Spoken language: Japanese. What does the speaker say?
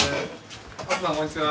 お父さんこんにちは。